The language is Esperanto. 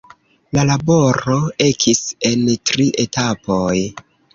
La laboro ekis en tri etapoj.